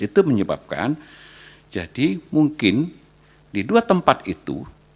itu menyebabkan jadi mungkin di dua tempat itu